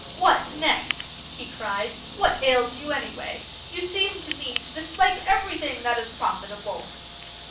"What next?" he cried. "What ails you, anyway? You seem to me to dislike everything that's profitable."